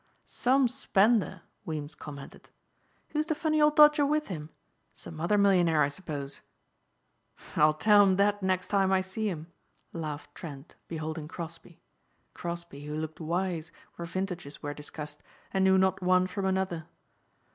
"Some spender," Weems commented. "Who's the funny old dodger with him? Some other millionaire I suppose." "I'll tell him that next time I see him," laughed Trent beholding Crosbeigh, Crosbeigh who looked wise where vintages were discussed and knew not one from another.